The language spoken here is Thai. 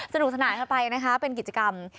สนุกสนานกันไปนะคะเป็นกิจกรรม